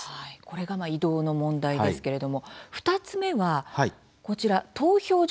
これが移動の問題ですけれども２つ目はこちら投票所の環境ですね。